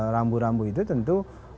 rambu rambu itu tentu